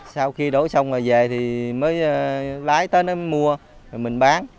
sau khi đổ xong rồi về thì mới lái tới nó mua rồi mình bán